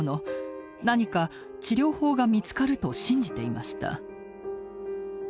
何か治療法が見つかる」と信じていました。